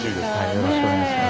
よろしくお願いします。